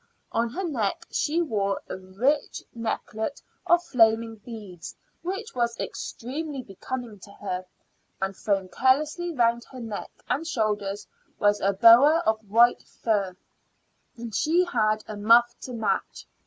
On her neck she wore a rich necklet of flaming beads, which was extremely becoming to her; and thrown carelessly round her neck and shoulders was a boa of white fur, and she had a muff to match.